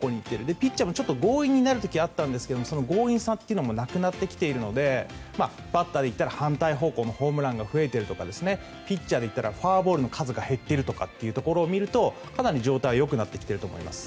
ピッチャーも強引になる時があったんですがその強引さもなくなってきているのでバッターでいったら反対方向のホームランが増えているとかピッチャーでいったらフォアボールの数が減っていることを考えると状態は良くなっていると思います。